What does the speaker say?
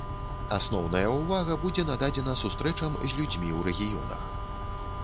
Асноўная ўвага будзе нададзена сустрэчам з людзьмі ў рэгіёнах.